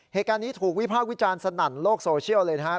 เหตุการณ์นี้ถูกวิพากษ์วิจารณ์สนั่นโลกโซเชียลเลยนะครับ